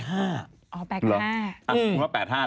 อ๋อ๘๕หรือว่า๘๕นะ